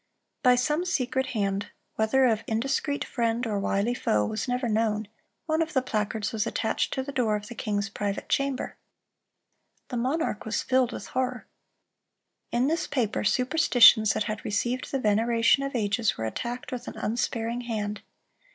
By some secret hand—whether of indiscreet friend or wily foe was never known—one of the placards was attached to the door of the king's private chamber. The monarch was filled with horror. In this paper, superstitions that had received the veneration of ages were attacked with an unsparing hand.